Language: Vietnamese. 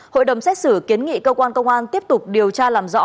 hội đồng xét xử kiến nghị cơ quan công an tiếp tục điều tra làm rõ